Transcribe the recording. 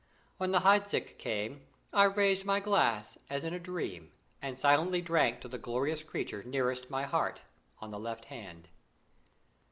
When the Heidsieck came, I raised my glass as in a dream, and silently drank to the glorious creature nearest my heart on the left hand.